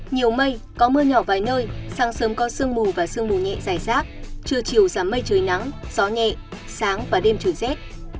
nhiều mây có mưa nhỏ vài nơi sáng sớm có sương mù và sương mù nhẹ dài rác trưa chiều giảm mây trời nắng gió nhẹ sáng và đêm trời rét